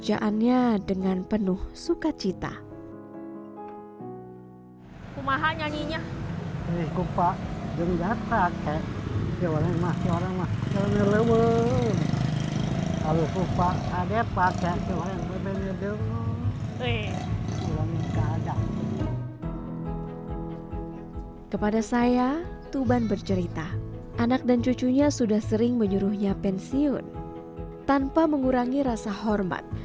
kue yang memiliki prinsip yang membuatnya tetap berjalan sampai hari ini